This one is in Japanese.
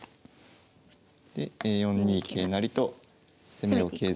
で４二桂成と攻めを継続。